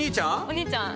お兄ちゃん。